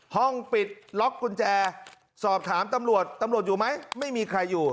ห้องปิดล็อกกุญแจสอบถามตำรวจตำรวจอยู่ไหมไม่มีใครอยู่